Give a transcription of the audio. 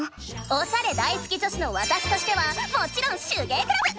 おしゃれ大好き女子のわたしとしてはもちろん手芸クラブ！